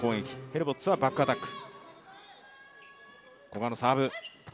ヘルボッツはバックアタック。